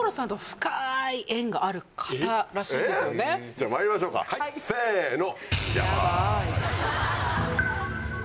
えっ⁉じゃあまいりましょうせの！